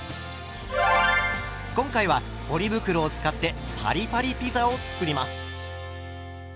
今回はポリ袋を使ってパリパリピザを作ります。